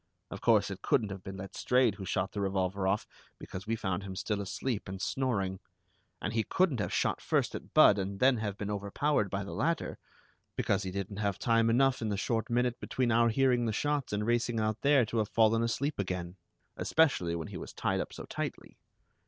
Of course, it couldn't have been Letstrayed who shot the revolver off, because we found him still asleep and snoring; and he couldn't have shot first at Budd and then have been overpowered by the latter, because he didn't have time enough in the short minute between our hearing the shots and racing out there to have fallen asleep again, especially when he was tied up so tightly.